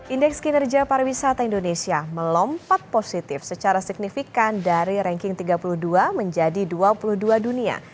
indeks kinerja pariwisata indonesia melompat positif secara signifikan dari ranking tiga puluh dua menjadi dua puluh dua dunia